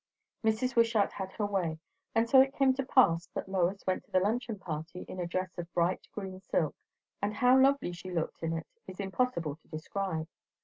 Mrs. Wishart had her way; and so it came to pass that Lois went to the luncheon party in a dress of bright green silk; and how lovely she looked in it is impossible to describe.